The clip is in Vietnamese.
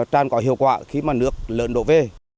tràn có hiệu quả khi mà nước lợn độ v